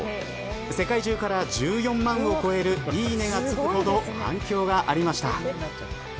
世界中から１４万を超えるいいねがつくほど反響がありました。